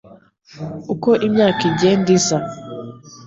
uko imyaka igenda iza